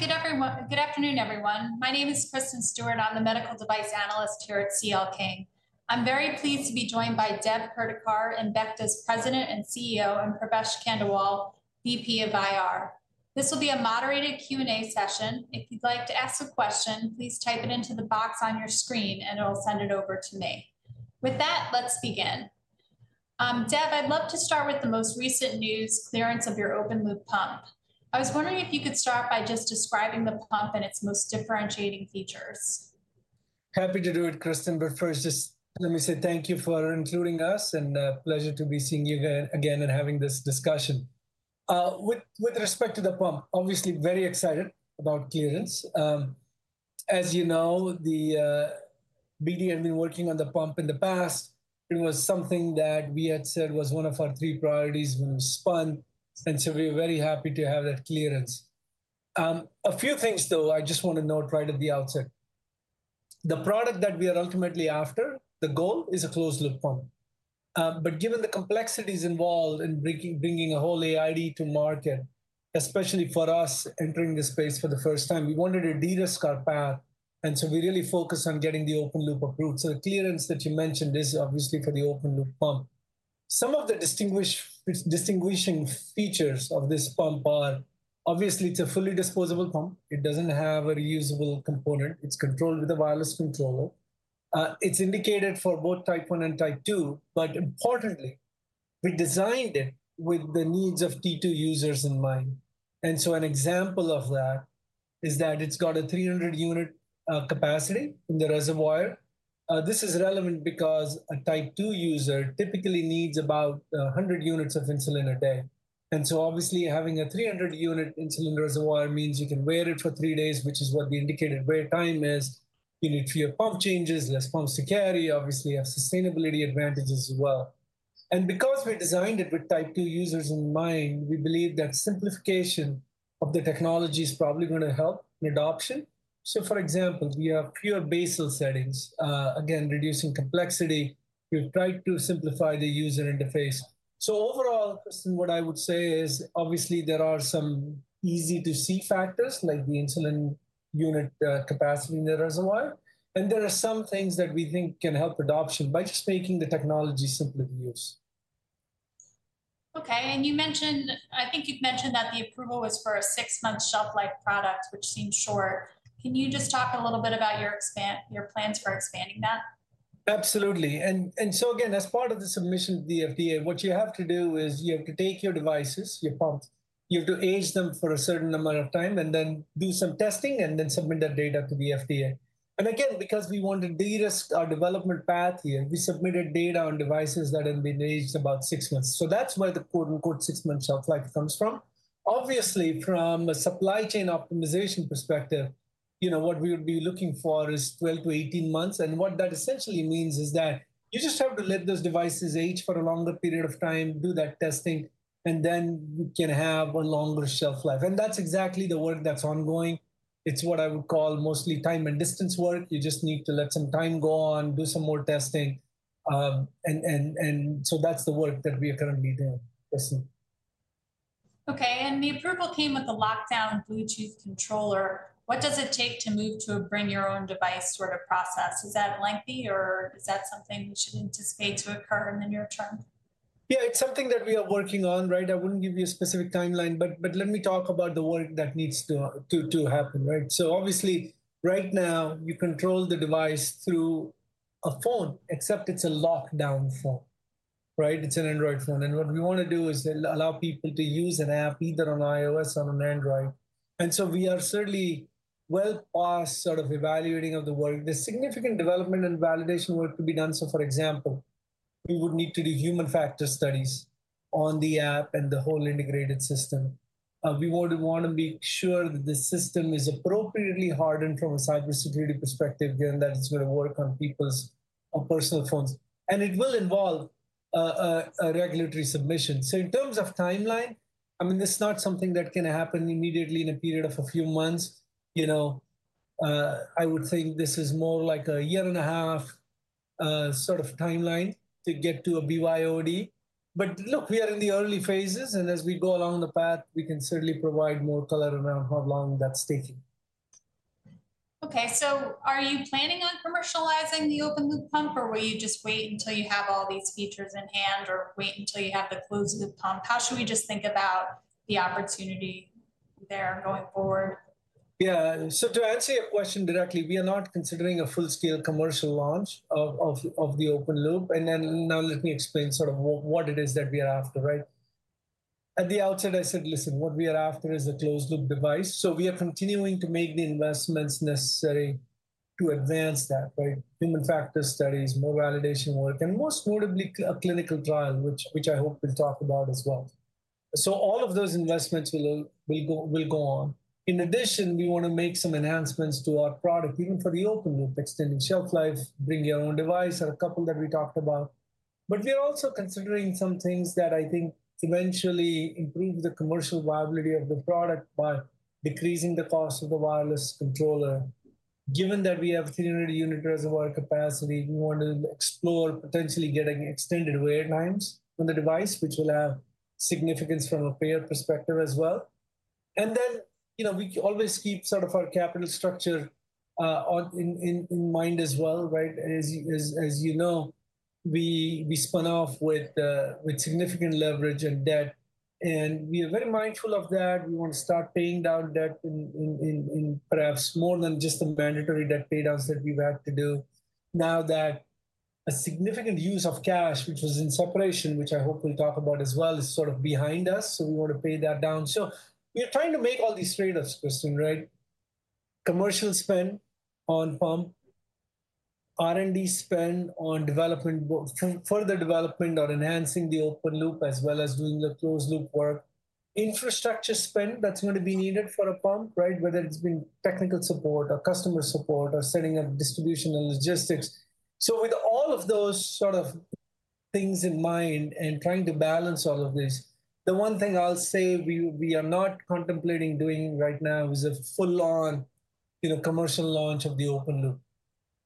Hi. Good afternoon, everyone. My name is Kristen Stewart. I'm the Medical Device Analyst here at C.L. King. I'm very pleased to be joined by Dev Kurdikar, Embecta's President and CEO, and Pravesh Khandelwal, VP of IR. This will be a moderated Q&A session. If you'd like to ask a question, please type it into the box on your screen, and it'll send it over to me. With that, let's begin. Dev, I'd love to start with the most recent news, clearance of your open loop pump. I was wondering if you could start by just describing the pump and its most differentiating features. Happy to do it, Kristen, but first, just let me say thank you for including us, and a pleasure to be seeing you here again and having this discussion. With respect to the pump, obviously very excited about clearance. As you know, the BD had been working on the pump in the past. It was something that we had said was one of our three priorities when we spun, and so we're very happy to have that clearance. A few things, though, I just want to note right at the outset. The product that we are ultimately after, the goal, is a closed-loop pump. But given the complexities involved in bringing a whole AID to market, especially for us entering the space for the first time, we wanted to de-risk our path, and so we really focused on getting the open loop approved. So the clearance that you mentioned is obviously for the open loop pump. Some of the distinguishing features of this pump are obviously it's a fully disposable pump. It doesn't have a reusable component. It's controlled with a wireless controller. It's indicated for both Type 1 and Type 2, but importantly, we designed it with the needs of T2 users in mind, and so an example of that is that it's got a 300 unit capacity in the reservoir. This is relevant because a Type 2 user typically needs about 100 units of insulin a day, and so obviously, having a 300 unit insulin reservoir means you can wear it for three days, which is what the indicated wear time is. You need fewer pump changes, less pumps to carry, obviously have sustainability advantages as well, and because we designed it with Type 2 users in mind, we believe that simplification of the technology is probably going to help in adoption, so for example, we have fewer basal settings, again, reducing complexity. We've tried to simplify the user interface, so overall, Kristen, what I would say is, obviously there are some easy-to-see factors, like the insulin unit capacity in the reservoir, and there are some things that we think can help adoption by just making the technology simpler to use. Okay, and you mentioned... I think you'd mentioned that the approval was for a six-month shelf life product, which seems short. Can you just talk a little bit about your plans for expanding that? Absolutely. And, so again, as part of the submission to the FDA, what you have to do is you have to take your devices, your pumps, you have to age them for a certain amount of time, and then do some testing, and then submit that data to the FDA. And again, because we want to de-risk our development path here, we submitted data on devices that have been aged about six months. So that's where the quote, unquote, "six-month shelf life" comes from. Obviously, from a supply chain optimization perspective, you know, what we would be looking for is 12-18 months, and what that essentially means is that you just have to let those devices age for a longer period of time, do that testing, and then you can have a longer shelf life, and that's exactly the work that's ongoing. It's what I would call mostly time and distance work. You just need to let some time go on, do some more testing, and so that's the work that we are currently doing, Kristen. Okay, and the approval came with a locked-down Bluetooth controller. What does it take to move to a bring your own device sort of process? Is that lengthy, or is that something we should anticipate to occur in the near term? Yeah, it's something that we are working on, right? I wouldn't give you a specific timeline, but let me talk about the work that needs to happen, right? So obviously, right now, you control the device through a phone, except it's a locked-down phone, right? It's an Android phone, and what we want to do is allow people to use an app, either on iOS or on Android, and so we are certainly well past sort of evaluating of the work. There's significant development and validation work to be done. So, for example, we would need to do human factors studies on the app and the whole integrated system. We would want to make sure that the system is appropriately hardened from a cybersecurity perspective, given that it's going to work on people's personal phones, and it will involve a regulatory submission. So in terms of timeline, I mean, this is not something that can happen immediately in a period of a few months. You know, I would think this is more like a year-and-a-half, sort of timeline to get to a BYOD. But look, we are in the early phases, and as we go along the path, we can certainly provide more color around how long that's taking. Okay, so are you planning on commercializing the open loop pump, or will you just wait until you have all these features in hand or wait until you have the closed-loop pump? How should we just think about the opportunity there going forward? Yeah. So to answer your question directly, we are not considering a full-scale commercial launch of the open loop, and then now let me explain sort of what it is that we are after, right? At the outset, I said, listen, what we are after is a closed-loop device, so we are continuing to make the investments necessary to advance that, right? Human factor studies, more validation work, and most notably, a clinical trial, which I hope we'll talk about as well. So all of those investments will go on. In addition, we want to make some enhancements to our product, even for the open loop, extending shelf life, bring your own device, or a couple that we talked about. But we are also considering some things that I think eventually improve the commercial viability of the product by decreasing the cost of the wireless controller, given that we have 300 unit reservoir capacity, we want to explore potentially getting extended wear times on the device, which will have significance from a payer perspective as well. And then, you know, we always keep sort of our capital structure in mind as well, right? As you know, we spun off with significant leverage and debt, and we are very mindful of that. We want to start paying down debt in perhaps more than just the mandatory debt paydowns that we've had to do now that a significant use of cash, which was in separation, which I hope we'll talk about as well, is sort of behind us, so we want to pay that down. So we are trying to make all these trade-offs, Kristen, right? Commercial spend on pump, R&D spend on development, further development or enhancing the open loop, as well as doing the closed loop work. Infrastructure spend, that's going to be needed for a pump, right? Whether it's been technical support or customer support or setting up distribution and logistics. So with all of those sort of things in mind and trying to balance all of this, the one thing I'll say we are not contemplating doing right now is a full-on, you know, commercial launch of the open loop.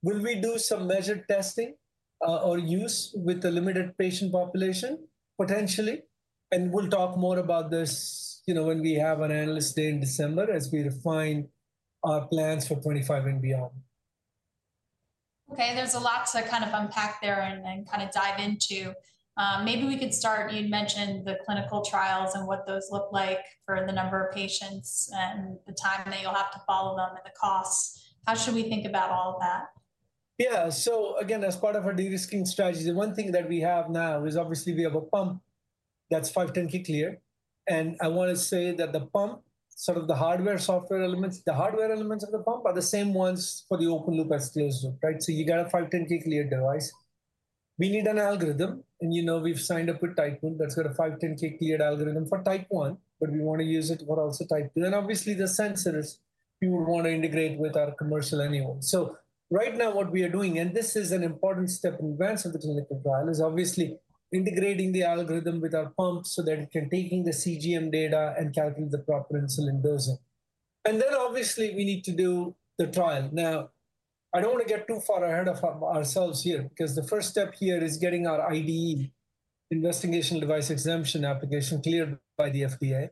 Will we do some measured testing, or use with a limited patient population? Potentially, and we'll talk more about this, you know, when we have an Analyst Day in December, as we refine our plans for 2025 and beyond. Okay, there's a lot to kind of unpack there and kind of dive into. Maybe we could start, you'd mentioned the clinical trials and what those look like for the number of patients and the time that you'll have to follow them and the costs. How should we think about all of that? Yeah. So again, as part of our de-risking strategy, the one thing that we have now is obviously we have a pump that's 510(k) cleared. And I want to say that the pump, sort of the hardware, software elements, the hardware elements of the pump are the same ones for the open loop as closed-loop, right? So you got a 510(k) cleared device. We need an algorithm, and you know, we've signed up with Tidepool that's got a 510(k) cleared algorithm for Type 1, but we want to use it for also Type 2. Then obviously the sensors we would want to integrate with our commercial anyway. Right now what we are doing, and this is an important step in advance of the clinical trial, is obviously integrating the algorithm with our pump so that it can take in the CGM data and calculate the proper insulin dosing. And then obviously we need to do the trial. Now, I don't want to get too far ahead of ourselves here, because the first step here is getting our IDE, Investigational Device Exemption application, cleared by the FDA.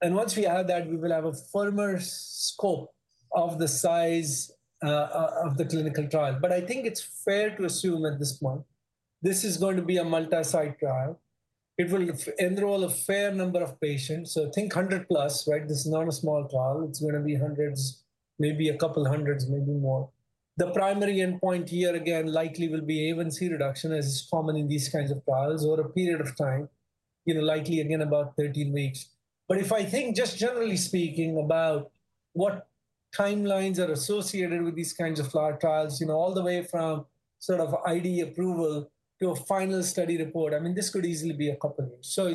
And once we have that, we will have a firmer scope of the size of the clinical trial. But I think it's fair to assume at this point, this is going to be a multi-site trial. It will enroll a fair number of patients, so think 100+, right? This is not a small trial. It's going to be hundreds, maybe a couple hundreds, maybe more. The primary endpoint here, again, likely will be A1C reduction, as is common in these kinds of trials, over a period of time, you know, likely again, about thirteen weeks. But if I think, just generally speaking, about what timelines are associated with these kinds of trial, you know, all the way from sort of IDE approval to a final study report, I mean, this could easily be a couple of years. So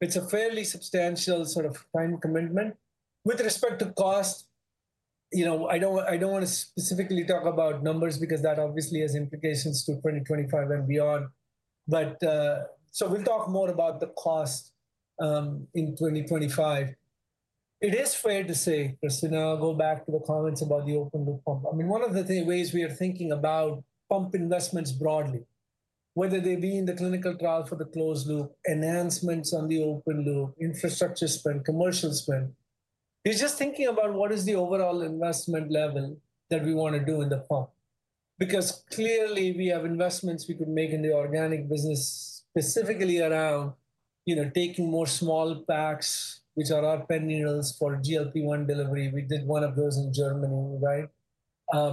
it's a fairly substantial sort of time commitment. With respect to cost, you know, I don't want to specifically talk about numbers, because that obviously has implications to 2025 and beyond. But, so we'll talk more about the cost in 2025. It is fair to say, Kristen, I'll go back to the comments about the open loop pump. I mean, one of the things, ways we are thinking about pump investments broadly, whether they be in the clinical trial for the closed loop, enhancements on the open loop, infrastructure spend, commercial spend, is just thinking about what is the overall investment level that we want to do in the pump. Because clearly we have investments we could make in the organic business, specifically around, you know, taking more small packs, which are pen needles for GLP-1 delivery. We did one of those in Germany, right?,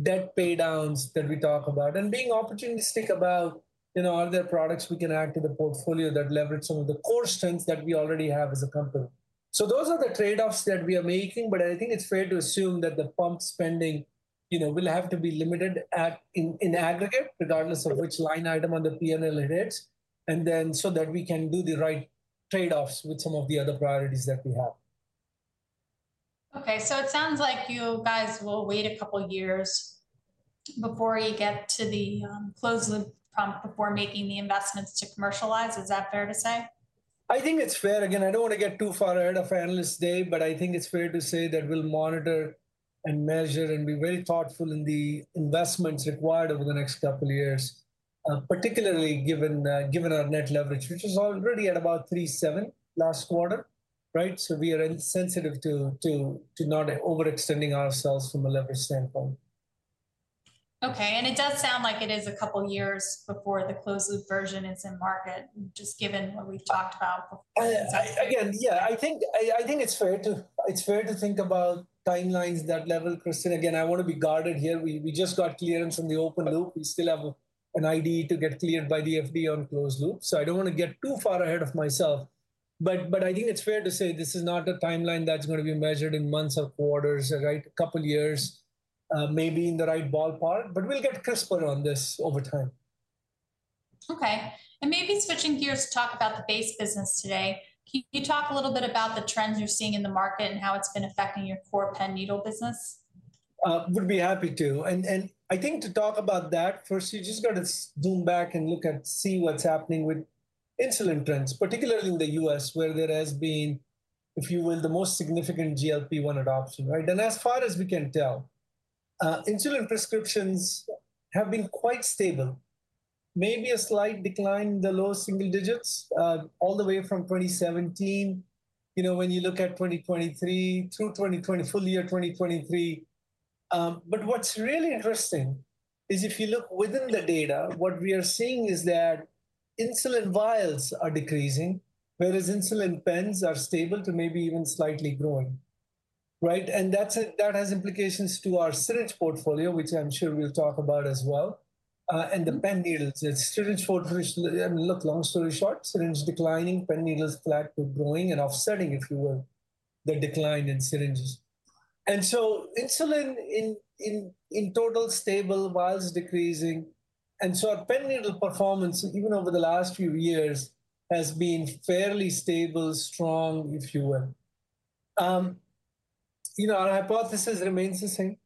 debt paydowns that we talk about and being opportunistic about, you know, are there products we can add to the portfolio that leverage some of the core strengths that we already have as a company. So those are the trade-offs that we are making, but I think it's fair to assume that the pump spending, you know, will have to be limited in aggregate, regardless of which line item on the P&L it hits, and then so that we can do the right trade-offs with some of the other priorities that we have. Okay, so it sounds like you guys will wait a couple years before you get to the closed-loop pump before making the investments to commercialize. Is that fair to say? I think it's fair. Again, I don't want to get too far ahead of our Analyst Day, but I think it's fair to say that we'll monitor and measure and be very thoughtful in the investments required over the next couple of years, particularly given our net leverage, which is already at about 3.7 last quarter, right? So we are insensitive to not overextending ourselves from a leverage standpoint. Okay, and it does sound like it is a couple years before the closed loop version is in market, just given what we've talked about before. Again, yeah, I think it's fair to think about timelines at that level, Kristen. Again, I want to be guarded here. We just got clearance on the open loop. We still have an IDE to get cleared by the FDA on closed loop, so I don't want to get too far ahead of myself. But I think it's fair to say this is not a timeline that's going to be measured in months or quarters, right? A couple of years may be in the right ballpark, but we'll get crisper on this over time. Okay, and maybe switching gears to talk about the base business today. Can you talk a little bit about the trends you're seeing in the market and how it's been affecting your core pen needle business? I would be happy to, and I think to talk about that, first, you just got to zoom back and look at what's happening with insulin trends, particularly in the U.S., where there has been, if you will, the most significant GLP-1 adoption, right? As far as we can tell, insulin prescriptions have been quite stable. Maybe a slight decline in the low single digits all the way from 2017, you know, when you look at 2023 through full year 2023. But what's really interesting is if you look within the data, what we are seeing is that insulin vials are decreasing, whereas insulin pens are stable to maybe even slightly growing, right? And that has implications to our syringe portfolio, which I'm sure we'll talk about as well, and the pen needles. The syringe portfolio, I mean, look, long story short, syringe pen needles flat to growing and offsetting, if you will, the decline in syringes, and so insulin in total stable, vials decreasing, and so our pen needle performance, even over the last few years, has been fairly stable, strong, if you will. You know, our hypothesis remains the same.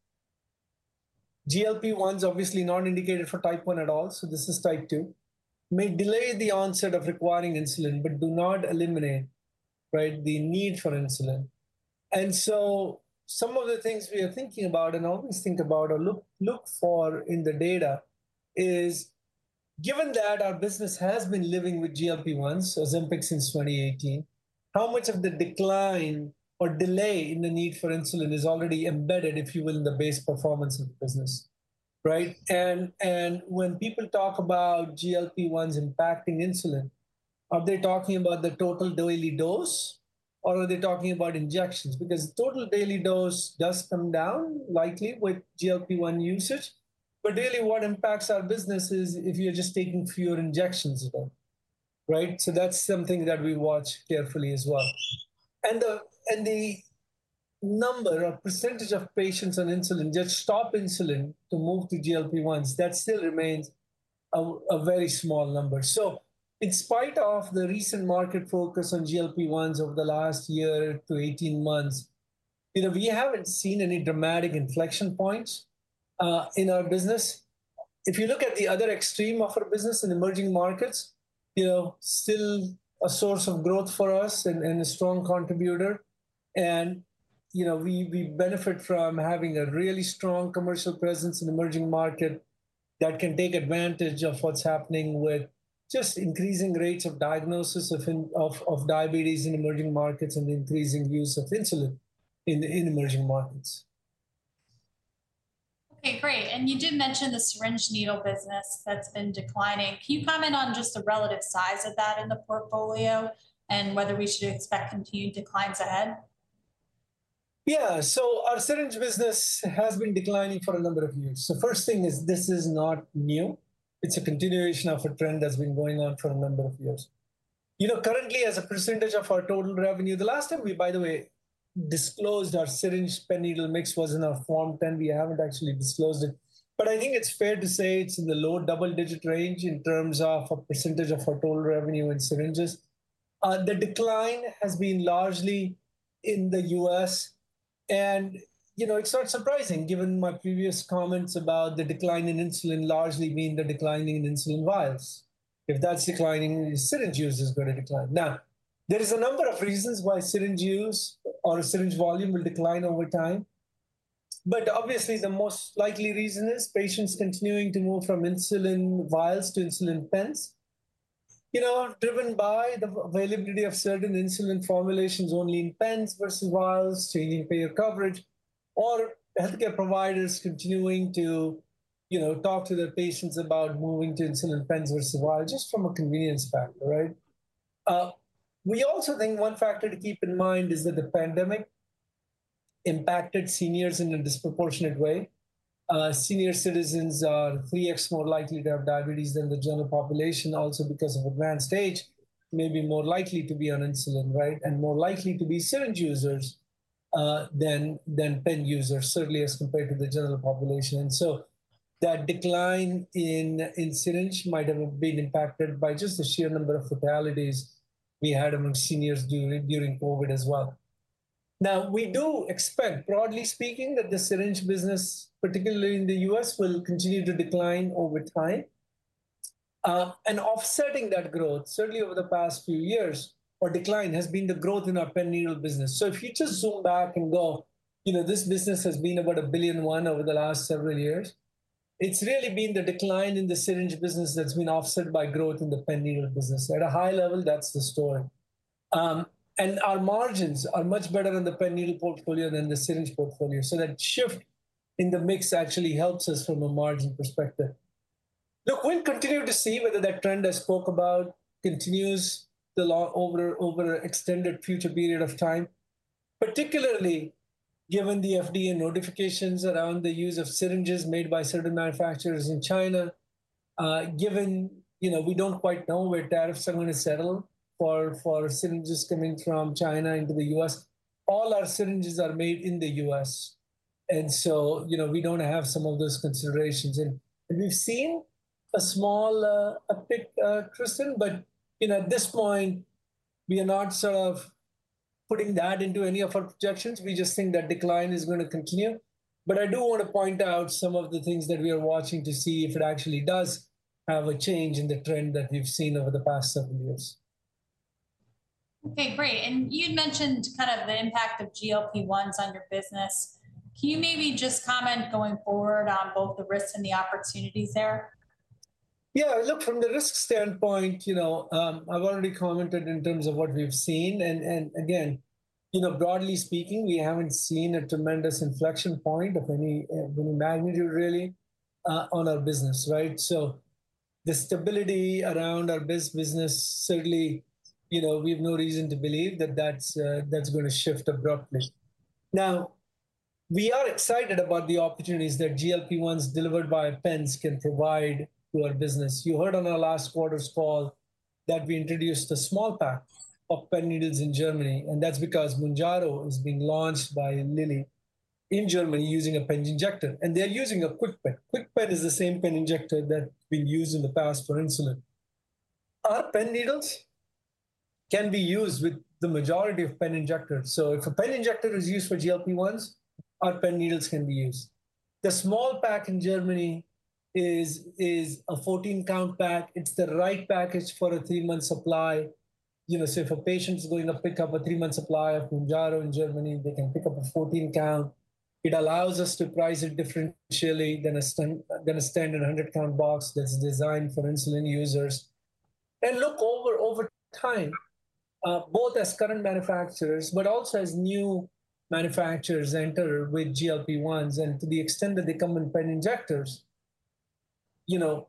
GLP-1s obviously not indicated for Type 1 at all, so this is Type 2, may delay the onset of requiring insulin, but do not eliminate, right, the need for insulin. And so some of the things we are thinking about and always think about or look for in the data is, given that our business has been living with GLP-1, so Ozempic since 2018, how much of the decline or delay in the need for insulin is already embedded, if you will, in the base performance of the business, right? And when people talk about GLP-1s impacting insulin, are they talking about the total daily dose, or are they talking about injections? Because total daily dose does come down likely with GLP-1 usage. But really what impacts our business is if you're just taking fewer injections of them, right? So that's something that we watch carefully as well. And the number or percentage of patients on insulin just stop insulin to move to GLP-1s, that still remains a very small number. In spite of the recent market focus on GLP-1s over the last year to eighteen months, you know, we haven't seen any dramatic inflection points in our business. If you look at the other extreme of our business in emerging markets, you know, still a source of growth for us and a strong contributor. You know, we benefit from having a really strong commercial presence in emerging markets that can take advantage of what's happening with just increasing rates of diagnosis of diabetes in emerging markets and increasing use of insulin in emerging markets. Okay, great. And you did mention the syringe needle business that's been declining. Can you comment on just the relative size of that in the portfolio and whether we should expect continued declines ahead? Yeah. So our syringe business has been declining for a number of years. So first thing is this is not new. It's a continuation of a trend that's been going on for a number of years. You know, currently, as a percentage of our total revenue, the last time we, by the way, disclosed our syringe pen needle mix was in our Form 10, we haven't actually disclosed it. But I think it's fair to say it's in the low double-digit range in terms of a percentage of our total revenue in syringes. The decline has been largely in the U.S., and, you know, it's not surprising given my previous comments about the decline in insulin largely being the decline in insulin vials. If that's declining, syringe use is going to decline. Now, there is a number of reasons why syringe use or syringe volume will decline over time, but obviously the most likely reason is patients continuing to move from insulin vials to insulin pens. You know, driven by the availability of certain insulin formulations only in pens versus vials, changing payer coverage, or healthcare providers continuing to, you know, talk to their patients about moving to insulin pens versus vials, just from a convenience factor, right? We also think one factor to keep in mind is that the pandemic impacted seniors in a disproportionate way. Senior citizens are 3x more likely to have diabetes than the general population, also because of advanced age, may be more likely to be on insulin, right, and more likely to be syringe users than pen users, certainly as compared to the general population. And so that decline in syringe might have been impacted by just the sheer number of fatalities we had among seniors during COVID as well. Now, we do expect, broadly speaking, that the syringe business, particularly in the U.S., will continue to decline over time. And offsetting that growth, certainly over the past few years, or decline, has been the growth in our pen needle business. So if you just zoom back and go, you know, this business has been about $1.1 billion over the last several years, it's really been the decline in the syringe business that's been offset by growth in the pen needle business. At a high level, that's the story. And our margins are much better in the pen needle portfolio than the syringe portfolio, so that shift in the mix actually helps us from a margin perspective. Look, we'll continue to see whether that trend I spoke about continues over an extended future period of time, particularly given the FDA notifications around the use of syringes made by certain manufacturers in China. Given, you know, we don't quite know where tariffs are going to settle for syringes coming from China into the U.S. All our syringes are made in the U.S., and so, you know, we don't have some of those considerations. And we've seen a small uptick, Kristen, but, you know, at this point, we are not putting that into any of our projections. We just think that decline is going to continue. But I do want to point out some of the things that we are watching to see if it actually does have a change in the trend that we've seen over the past seven years. Okay, great. And you'd mentioned kind of the impact of GLP-1s on your business. Can you maybe just comment going forward on both the risks and the opportunities there? Yeah, look, from the risk standpoint, you know, I've already commented in terms of what we've seen, and again, you know, broadly speaking, we haven't seen a tremendous inflection point of any magnitude really on our business, right? So the stability around our business, certainly, you know, we have no reason to believe that that's going to shift abruptly. Now, we are excited about the opportunities that GLP-1s delivered by pens can provide to our business. You heard on our last quarter's call that we introduced a small pack pen needles in Germany, and that's because Mounjaro is being launched by Lilly in Germany using a pen injector, and they're using a KwikPen. KwikPen is the same pen injector that we've used in the past for insulin. pen needles can be used with the majority of pen injectors. So if a pen injector is used for GLP-1s, pen needles can be used. The small pack in Germany is a fourteen-count pack. It's the right package for a three-month supply. You know, so if a patient's going to pick up a three-month supply of Mounjaro in Germany, they can pick up a fourteen-count. It allows us to price it differentially than a than a standard hundred-count box that's designed for insulin users. And look, over time, both as current manufacturers but also as new manufacturers enter with GLP-1s, and to the extent that they come in pen injectors, you know,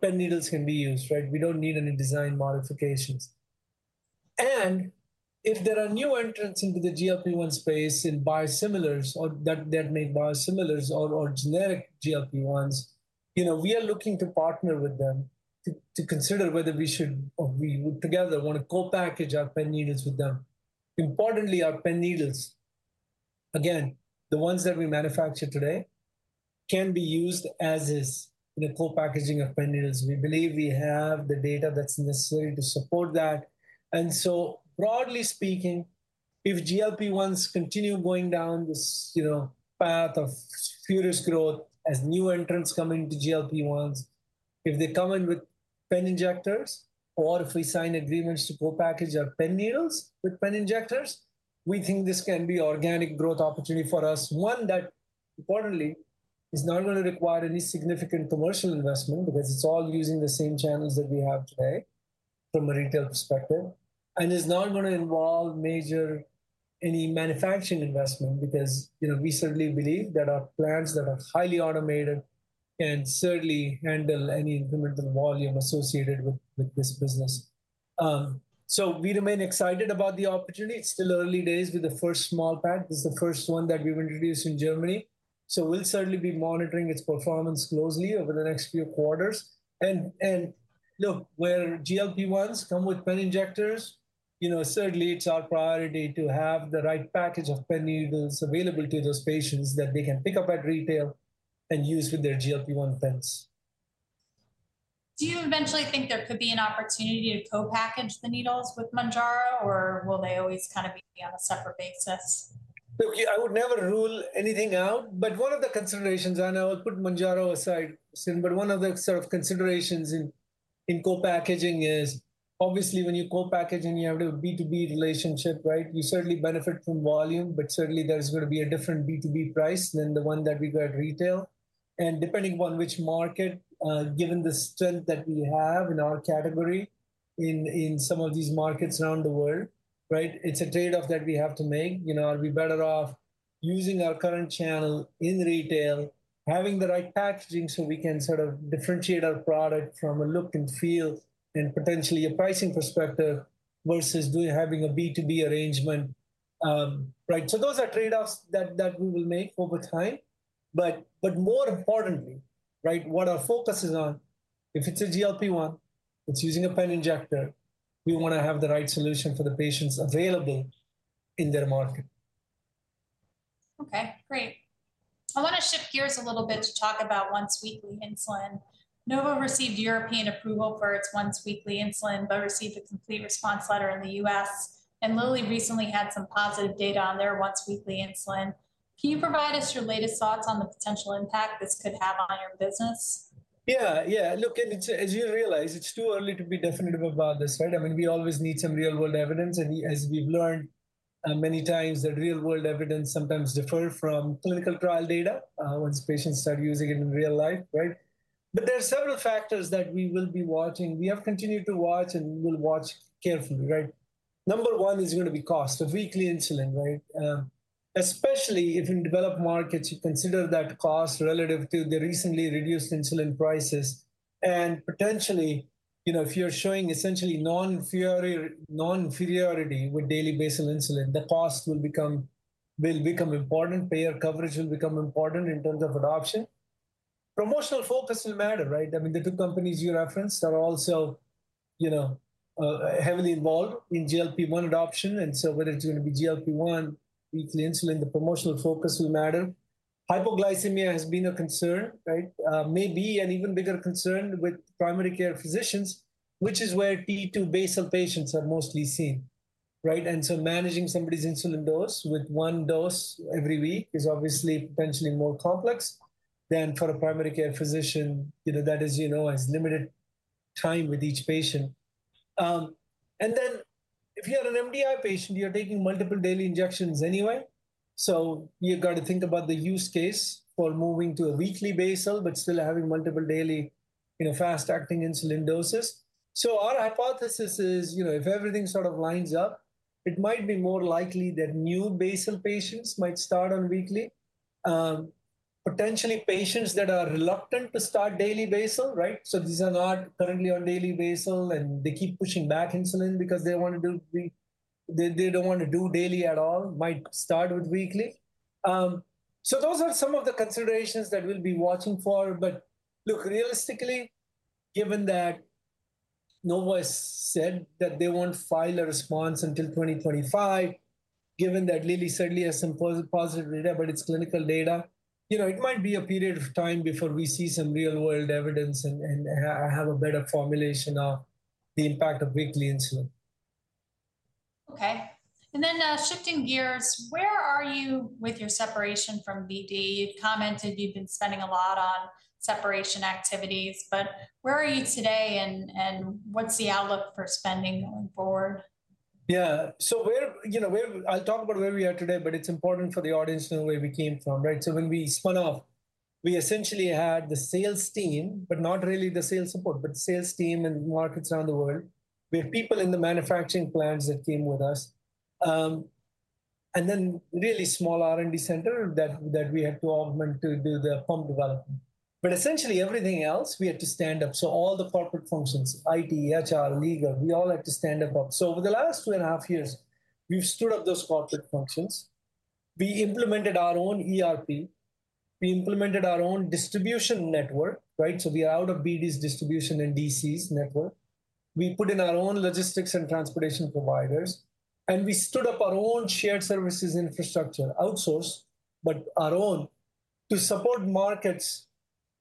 pen needles can be used, right? We don't need any design modifications. If there are new entrants into the GLP-1 space in biosimilars or that that make biosimilars or generic GLP-1s, you know, we are looking to partner with them to consider whether we should or we would together want to co-package pen needles with them. Importantly, pen needles, again, the ones that we manufacture today, can be used as is in the co-packaging pen needles. we believe we have the data that's necessary to support that. So broadly speaking, if GLP-1s continue going down this, you know, path of furious growth as new entrants come into GLP-1s, if they come in with pen injectors or if we sign agreements to co-package pen needles with pen injectors, we think this can be organic growth opportunity for us. One that importantly is not going to require any significant commercial investment, because it's all using the same channels that we have today from a retail perspective, and is not going to involve any manufacturing investment because, you know, we certainly believe that our plants that are highly automated can certainly handle any incremental volume associated with this business. So we remain excited about the opportunity. It's still early days with the first small pack. This is the first one that we've introduced in Germany, so we'll certainly be monitoring its performance closely over the next few quarters. And look, where GLP-1s come with pen injectors, you know, certainly it's our priority to have the right package pen needles available to those patients that they can pick up at retail and use with their GLP-1 pens. Do you eventually think there could be an opportunity to co-package the needles with Mounjaro, or will they always kind of be on a separate basis? Look, I would never rule anything out, but one of the considerations, and I will put Mounjaro aside, but one of the sort of considerations in co-packaging is obviously when you co-package and you have a B2B relationship, right? You certainly benefit from volume, but certainly there is going to be a different B2B price than the one that we get at retail. And depending on which market, given the strength that we have in our category in some of these markets around the world, right? It's a trade-off that we have to make. You know, are we better off using our current channel in retail, having the right packaging so we can sort of differentiate our product from a look and feel and potentially a pricing perspective versus having a B2B arrangement, right? So those are trade-offs that we will make over time. More importantly, right, what our focus is on, if it's a GLP-1, it's using a pen injector, we want to have the right solution for the patients available in their market. Okay, great. I want to shift gears a little bit to talk about once-weekly insulin. Novo received European approval for its once-weekly insulin, but received a complete response letter in the U.S., and Lilly recently had some positive data on their once-weekly insulin. Can you provide us your latest thoughts on the potential impact this could have on your business? Yeah, yeah. Look, and it's, as you realize, it's too early to be definitive about this, right? I mean, we always need some real-world evidence, and as we've learned many times that real-world evidence sometimes differ from clinical trial data once patients start using it in real life, right, but there are several factors that we will be watching. We have continued to watch, and we will watch carefully, right? Number one is going to be cost of weekly insulin, right? Especially if in developed markets, you consider that cost relative to the recently reduced insulin prices, and potentially, you know, if you're showing essentially non-inferior, non-inferiority with daily basal insulin, the cost will become important, payer coverage will become important in terms of adoption. Promotional focus will matter, right? I mean, the two companies you referenced are also, you know, heavily involved in GLP-1 adoption, and so whether it's going to be GLP-1, weekly insulin, the promotional focus will matter. Hypoglycemia has been a concern, right? May be an even bigger concern with primary care physicians, which is where T2 basal patients are mostly seen, right?, and so managing somebody's insulin dose with one dose every week is obviously potentially more complex than for a primary care physician, you know, that is, you know, has limited time with each patient, and then if you're an MDI patient, you're taking multiple daily injections anyway, so you've got to think about the use case for moving to a weekly basal, but still having multiple daily, you know, fast-acting insulin doses. So our hypothesis is, you know, if everything sort of lines up, it might be more likely that new basal patients might start on weekly. Potentially patients that are reluctant to start daily basal, right? So these are not currently on daily basal, and they keep pushing back insulin because they don't want to do daily at all, might start with weekly. So those are some of the considerations that we'll be watching for. But look, realistically, given that Novo has said that they won't file a response until 2025, given that Lilly certainly has some positive data, but it's clinical data, you know, it might be a period of time before we see some real-world evidence and have a better formulation of the impact of weekly insulin. Okay. And then, shifting gears, where are you with your separation from BD? You've commented you've been spending a lot on separation activities, but where are you today, and what's the outlook for spending going forward? Yeah. So where, you know, where... I'll talk about where we are today, but it's important for the audience to know where we came from, right? So when we spun off, we essentially had the sales team, but not really the sales support, but sales team in markets around the world. We have people in the manufacturing plants that came with us. And then really small R&D center that we had to augment to do the pump development. But essentially, everything else we had to stand up, so all the corporate functions, IT, HR, legal, we all had to stand up. So over the last two and a half years, we've stood up those corporate functions. We implemented our own ERP. We implemented our own distribution network, right? So we are out of BD's distribution and DCs network. We put in our own logistics and transportation providers, and we stood up our own shared services infrastructure, outsourced, but our own, to support markets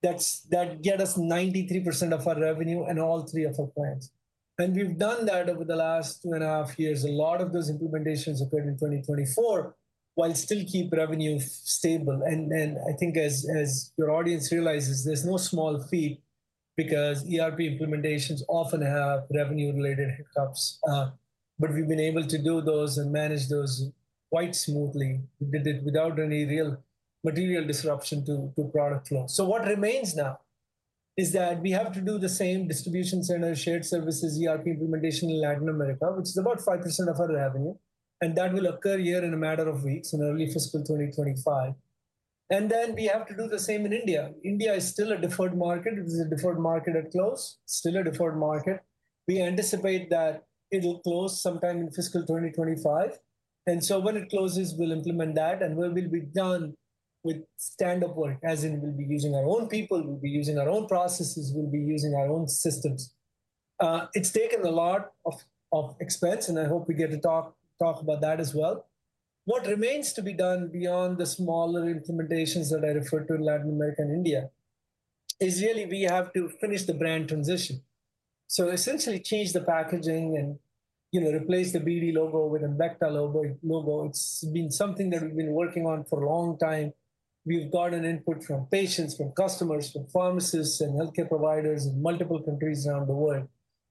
that get us 93% of our revenue and all three of our brands. And we've done that over the last two and a half years. A lot of those implementations occurred in 2024, while still keep revenue stable. And I think as your audience realizes, there's no small feat because ERP implementations often have revenue-related hiccups. But we've been able to do those and manage those quite smoothly. We did it without any real material disruption to product flow. What remains now is that we have to do the same distribution center, shared services, ERP implementation in Latin America, which is about 5% of our revenue, and that will occur here in a matter of weeks, in early fiscal 2025. We have to do the same in India. India is still a deferred market. It was a deferred market at close, still a deferred market. We anticipate that it'll close sometime in fiscal 2025, and so when it closes, we'll implement that, and we will be done with stand-up work, as in we'll be using our own people, we'll be using our own processes, we'll be using our own systems. It's taken a lot of expense, and I hope we get to talk about that as well. What remains to be done beyond the smaller implementations that I referred to in Latin America and India is really we have to finish the brand transition. So essentially change the packaging and, you know, replace the BD logo with Embecta logo. It's been something that we've been working on for a long time. We've gotten input from patients, from customers, from pharmacists and healthcare providers in multiple countries around the world.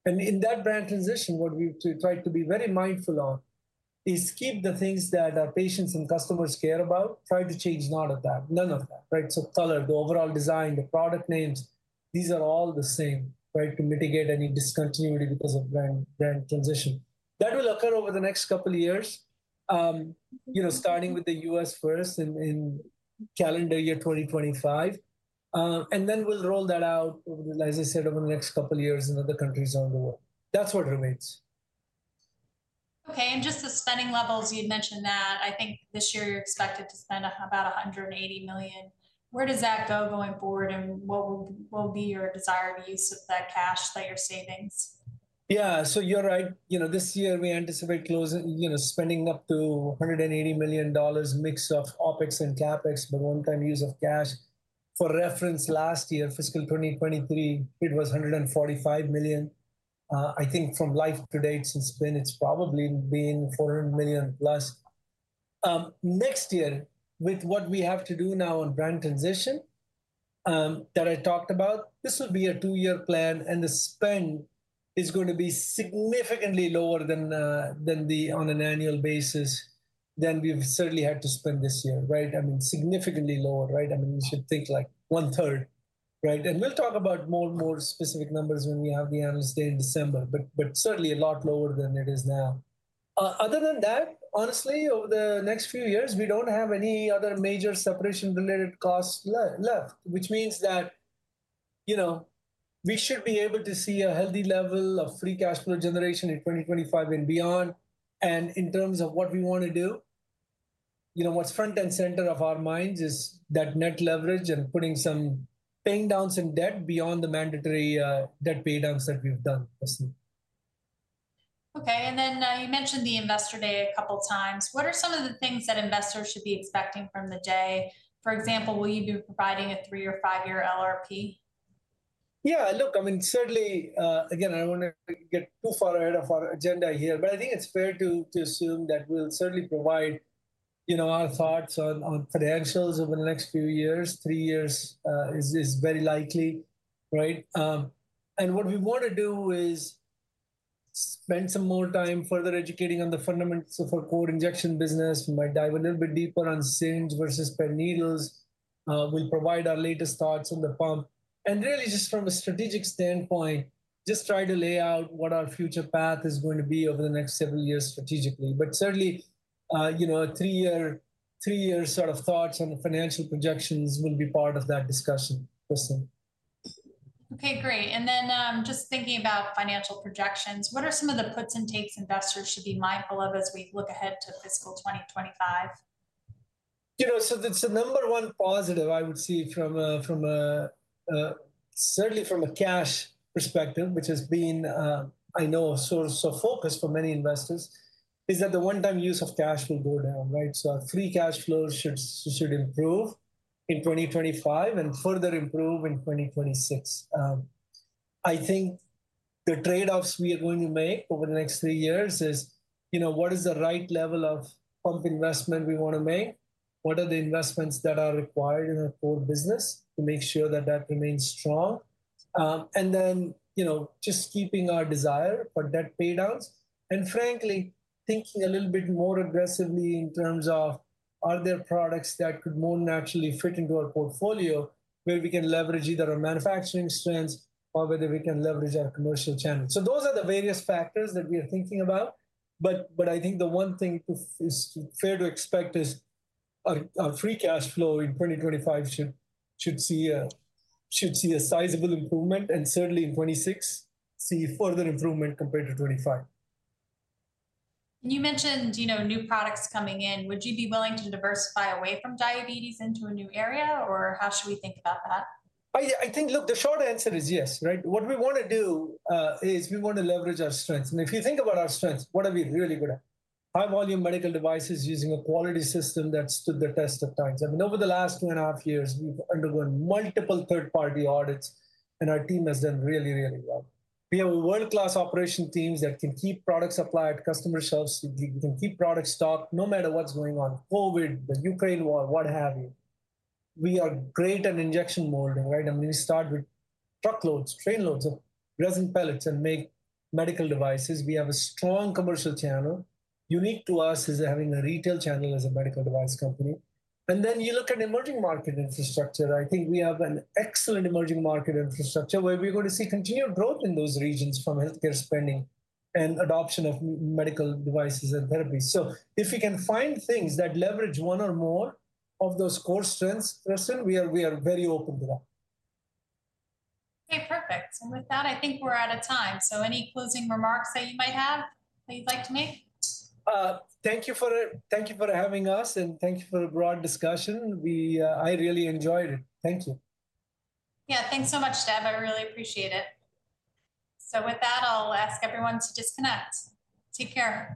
And in that brand transition, what we've tried to be very mindful of is keep the things that our patients and customers care about, try to change none of that. None of that, right? So color, the overall design, the product names, these are all the same, right? To mitigate any discontinuity because of brand transition. That will occur over the next couple of years, you know, starting with the U.S. first in calendar year 2025, and then we'll roll that out, as I said, over the next couple of years in other countries around the world. That's what remains. Okay, and just the spending levels, you'd mentioned that. I think this year you're expected to spend about $180 million. Where does that go going forward, and what will be your desired use of that cash, that your savings? Yeah. So you're right. You know, this year we anticipate closing, you know, spending up to $180 million, mix of OpEx and CapEx, but one-time use of cash. For reference, last year, fiscal 2023, it was $145 million. I think from life to date since then, it's probably been $400 million plus. Next year, with what we have to do now on brand transition, that I talked about, this will be a two-year plan, and the spend is going to be significantly lower than, than the on an annual basis than we've certainly had to spend this year, right? I mean, significantly lower, right? I mean, we should think like one third, right? We'll talk about more and more specific numbers when we have the Analyst Day in December, but certainly a lot lower than it is now. Other than that, honestly, over the next few years, we don't have any other major separation-related costs left, which means that, you know, we should be able to see a healthy level of free cash flow generation in 2025 and beyond. In terms of what we want to do, you know, what's front and center of our minds is net leverage and putting some, paying down some debt beyond the mandatory debt pay downs that we've done recently.... Now, you mentioned the Investor Day a couple times. What are some of the things that investors should be expecting from the day? For example, will you be providing a three or five-year LRP? Yeah, look, I mean, certainly, again, I don't wanna get too far ahead of our agenda here, but I think it's fair to assume that we'll certainly provide, you know, our thoughts on financials over the next few years. Three years is very likely, right? And what we wanna do is spend some more time further educating on the fundamentals of our core injection business. We might dive a little bit deeper on syringes pen needles. we'll provide our latest thoughts on the pump. And really just from a strategic standpoint, just try to lay out what our future path is going to be over the next several years strategically. But certainly, you know, three-year sort of thoughts on the financial projections will be part of that discussion, Kristen. Okay, great. And then, just thinking about financial projections, what are some of the puts and takes investors should be mindful of as we look ahead to fiscal 2025? You know, so the number one positive I would see from a cash perspective, certainly, which has been, I know a source of focus for many investors, is that the one-time use of cash will go down, right? So our free cash flow should improve in 2025, and further improve in 2026. I think the trade-offs we are going to make over the next three years is, you know, what is the right level of pump investment we wanna make? What are the investments that are required in our core business to make sure that that remains strong? And then, you know, just keeping our desire for debt paydowns and frankly, thinking a little bit more aggressively in terms of, are there products that could more naturally fit into our portfolio, where we can leverage either our manufacturing strengths or whether we can leverage our commercial channels? So those are the various factors that we are thinking about, but I think the one thing is fair to expect is our free cash flow in 2025 should see a sizable improvement, and certainly in 2026 see further improvement compared to 2025. You mentioned, you know, new products coming in. Would you be willing to diversify away from diabetes into a new area, or how should we think about that? I think... Look, the short answer is yes, right? What we wanna do is we wanna leverage our strengths. And if you think about our strengths, what are we really good at? High-volume medical devices using a quality system that stood the test of time. I mean, over the last two and a half years, we've undergone multiple third-party audits, and our team has done really, really well. We have a world-class operations team that can keep products supplied to customer shelves. We can keep products stocked no matter what's going on, COVID, the Ukraine war, what have you. We are great at injection molding, right? I mean, we start with truckloads, trainloads of resin pellets and make medical devices. We have a strong commercial channel. Unique to us is having a retail channel as a medical device company. And then you look at emerging market infrastructure. I think we have an excellent emerging market infrastructure, where we're going to see continued growth in those regions from healthcare spending and adoption of medical devices and therapies. If we can find things that leverage one or more of those core strengths, Kristen, we are very open to that. Okay, perfect. And with that, I think we're out of time, so any closing remarks that you might have, that you'd like to make? Thank you for having us, and thank you for the broad discussion. I really enjoyed it. Thank you. Yeah. Thanks so much, Dev. I really appreciate it. So with that, I'll ask everyone to disconnect. Take care.